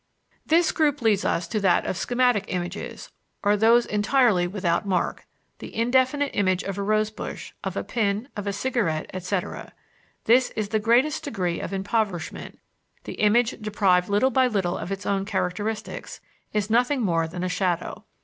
This group leads us to that of schematic images, or those entirely without mark the indefinite image of a rosebush, of a pin, of a cigarette, etc. This is the greatest degree of impoverishment; the image, deprived little by little of its own characteristics, is nothing more than a shadow.